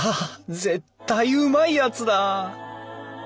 絶対うまいやつだ！